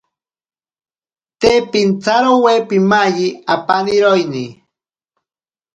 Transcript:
Te pintsarowe pimayi apaniroini.